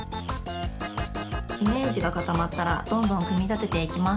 イメージがかたまったらどんどんくみたてていきます。